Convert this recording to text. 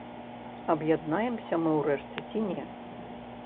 Аб'яднаемся мы ў рэшце ці не?